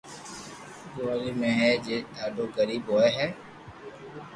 گوزاري ھي ھين ڌاڌو غرين ھوئي ھي